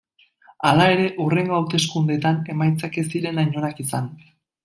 Hala ere hurrengo hauteskundetan emaitzak ez ziren hain onak izan.